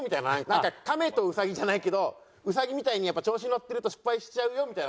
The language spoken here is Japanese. なんか「カメとウサギ」じゃないけどウサギみたいに調子に乗ってると失敗しちゃうよみたいな。